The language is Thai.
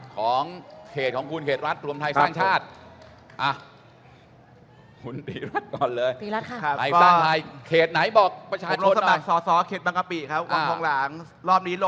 ของขุมขุมเมืองรัฐร้อยกว้างไทยสร้างชาติ